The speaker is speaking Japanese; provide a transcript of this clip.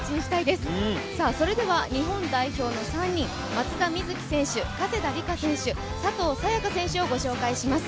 それでは日本代表の３人松田瑞生選手、加世田梨花選手、佐藤早也伽選手をご紹介します。